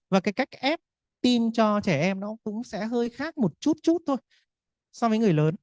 và cái cách ép tim cho trẻ em nó cũng sẽ hơi khác một chút chút thôi so với người lớn